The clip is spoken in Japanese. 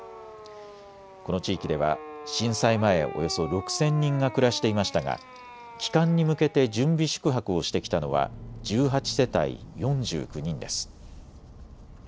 この地域では震災前、およそ６０００人が暮らしていましたが帰還に向けて準備宿泊をしてきたのは１８世帯４９人です。